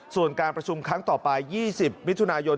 ส่วนการประชุมครั้งต่อไป๒๐มิถุนายน